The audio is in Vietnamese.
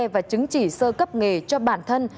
và chứng chỉ sơ cấp nghề cho bản thân